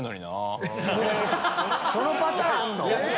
そのパターンあるの⁉